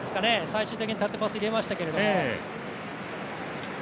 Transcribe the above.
最終的に縦パス入れましたけど。